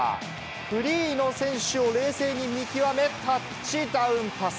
フリーの選手を冷静に見極め、タッチダウンパス。